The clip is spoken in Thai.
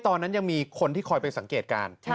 ตอนนั้นยังมีคนที่คอยไปสังเกตการณ์